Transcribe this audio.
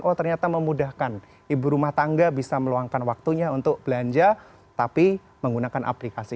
oh ternyata memudahkan ibu rumah tangga bisa meluangkan waktunya untuk belanja tapi menggunakan aplikasi